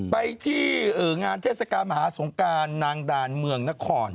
ไปที่งานเทศกาลมหาสงการนางดานเมืองนคร